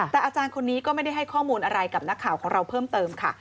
แต่อาจารย์คนนี้ก็ไม่ได้ให้ข้อมูลอะไรกับนักข่าวของเราเพิ่มเติมค่ะ